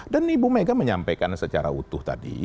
dan ibu mega menyampaikan secara utuh tadi